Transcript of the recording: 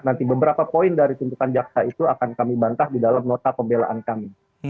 nanti beberapa poin dari tuntutan jaksa itu akan kami bantah di dalam nota pembelaan kami